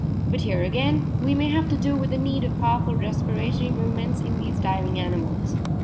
But here again we may have to do with the need of powerful respiratory movements in these diving animals.